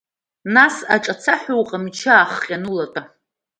Нас аҿацаҳәа уҟамчы ахҟьаны улатәа.